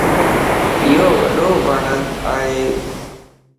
ايو وڏو وڻ ائي.